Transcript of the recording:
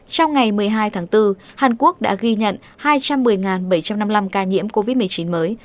trong ngày một mươi hai tháng bốn hàn quốc đã ghi nhận hai trăm một mươi bảy trăm năm mươi năm ca nhiễm covid một mươi chín mới